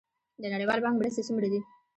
د نړیوال بانک مرستې څومره دي؟